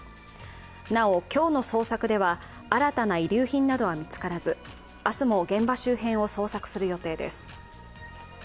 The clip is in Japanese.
なお、今日の捜索では新たな遺留品などは見つからず、明日も現場周辺を捜索する予定です。